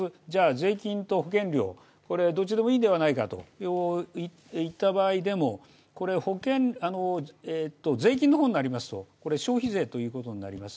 税金と保険料これ、どっちでもいいんではないかといった場合でも税金の方になりますと消費税ということになります。